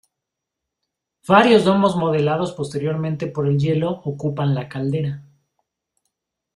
Varios domos modelados posteriormente por el hielo ocupan la caldera.